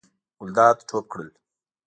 ګلداد ټوپ کړل.